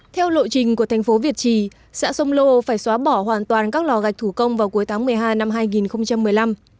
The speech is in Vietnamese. theo lộ trình của thành phố việt trì xã sông lô phải xóa bỏ hoàn toàn các lò gạch thủ công vào cuối tháng một mươi hai năm hai nghìn một mươi năm